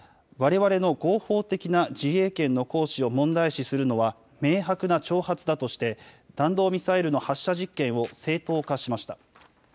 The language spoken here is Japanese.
われわれの合法的な自衛権の行使を問題視するのは明白な挑発だとして弾道ミサイルの発射実験を正当化しました。